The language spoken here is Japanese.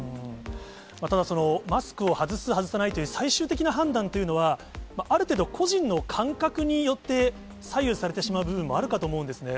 ただ、マスクを外す、外さないという最終的な判断というのは、ある程度、個人の感覚によって左右されてしまう部分もあるかと思うんですね。